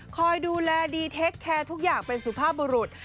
คอยดูแลดีเทคแคร์ทุกอย่างเป็นสุภาพบุรุษ